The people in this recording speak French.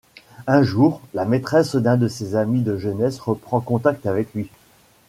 Un jour, la maîtresse d’un de ses amis de jeunesse reprend contact avec lui.